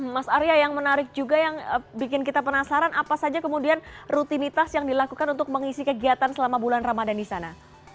mas arya yang menarik juga yang bikin kita penasaran apa saja kemudian rutinitas yang dilakukan untuk mengisi kegiatan selama bulan ramadan di sana